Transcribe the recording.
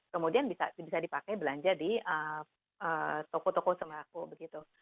kemudian bisa dipakai belanja di toko toko sembako begitu